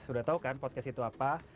sudah tahu kan podcast itu apa